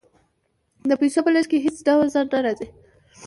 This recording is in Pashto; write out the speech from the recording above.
د پیسو په لیږد کې هیڅ ډول ځنډ نه راځي.